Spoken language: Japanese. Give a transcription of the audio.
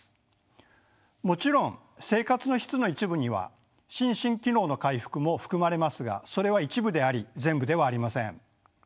もちろん生活の質の一部には心身機能の回復も含まれますがそれは一部であり全部ではありません。